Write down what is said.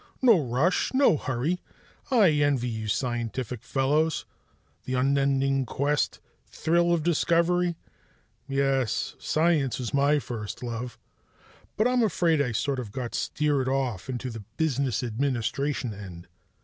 "No rush. No hurry. I envy you scientific fellows. The unending quest, thrill of discovery, yes, science was my first love, but I'm afraid I sort of got steered off into the business administration end.